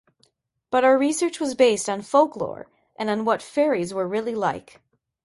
But our research was based on folklore and on what faeries were really like.